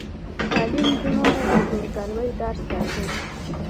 تعلیم نجونو ته د ورورګلوۍ درس ورکوي.